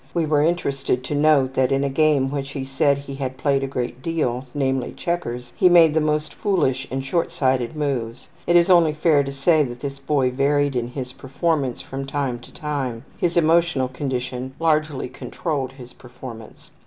We were interested to note that in a game which he said he had played a great deal, namely checkers, he made the most foolish and shortsighted moves. It is only fair to say that this boy varied in his performance from time to time; his emotional condition largely controlled his performance.